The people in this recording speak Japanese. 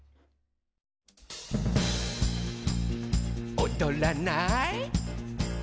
「おどらない？」